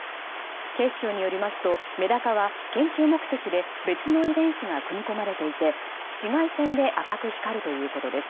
警視庁によりますとメダカは研究目的で別の遺伝子が組み込まれていて紫外線で赤く光るということです。